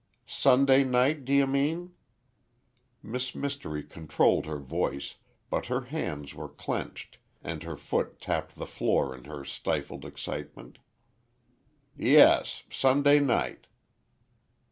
"Sunday night, do you mean?" Miss Mystery controlled her voice, but her hands were clenched and her foot tapped the floor in her stifled excitement. "Yes, Sunday night."